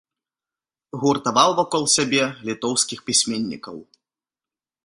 Гуртаваў вакол сябе літоўскіх пісьменнікаў.